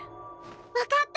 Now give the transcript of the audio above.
分かった！